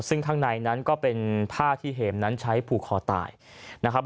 ซึ่งข้างในนั้นก็เป็นผ้าที่เหมนั้นใช้ผูกคอตายนะครับ